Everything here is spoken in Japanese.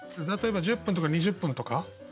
例えば１０分とか２０分とか。